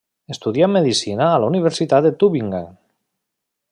Estudià medicina a la Universitat de Tübingen.